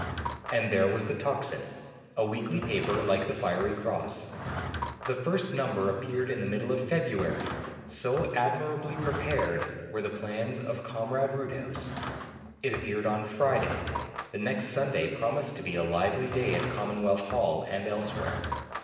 And there was the 'Tocsin,' a weekly paper like the 'Fiery Cross.' The first number appeared in the middle of February, so admirably prepared were the plans of Comrade Roodhouse. It appeared on Friday; the next Sunday promised to be a lively day at Commonwealth Hall and elsewhere.